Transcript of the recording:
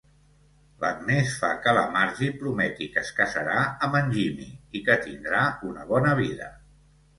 L'Agnès fa que la Margy prometi que es casarà amb en Jimmy i que tindrà una bona vida.